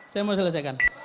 saya mau selesaikan